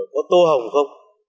có tô hồng không